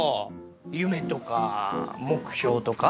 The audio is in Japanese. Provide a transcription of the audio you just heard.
夢とか目標とか？